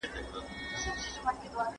¬ بنده ليري مښلولې، خداى لار ورته نيولې.